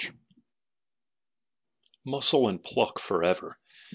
4 Muscle and pluck forever!